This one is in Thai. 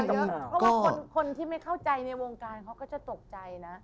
เพราะว่าคนที่ไม่เข้าใจในวงการเขาก็จะตกใจนะ